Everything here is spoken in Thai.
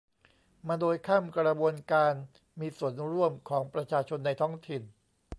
มาโดยข้ามกระบวนการมีส่วนร่วมของประชาชนในท้องถิ่น